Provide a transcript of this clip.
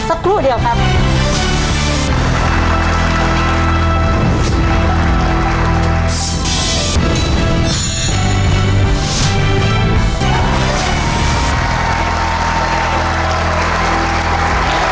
สักครู่เดียวครับ